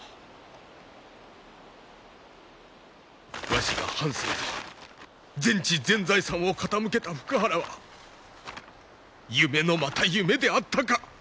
わしが半生と全智全財産を傾けた福原は夢のまた夢であったか。